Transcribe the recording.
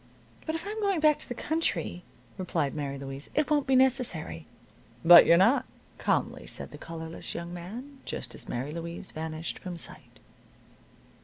"But if I'm going back to the country," replied Mary Louise, "it won't be necessary." "But you're not," calmly said the collarless young man, just as Mary Louise vanished from sight.